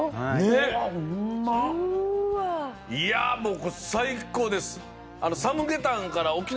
いやもうこれ最高です。